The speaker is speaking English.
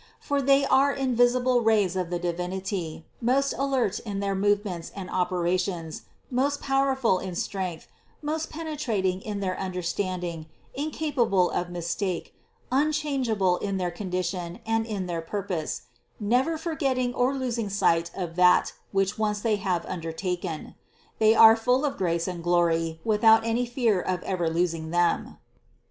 For they are invisible rays of the Divinity, most alert in their move ments and operations, most powerful in strength, most penetrating in their understanding, incapable of mistake, unchangeable in their condition and in their purpose, never forgetting or losing sight of that which once they have undertaken. They are full of grace and glory with out any fear of ever losing them.